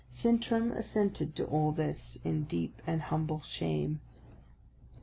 Sintram assented to all this, in deep and humble shame.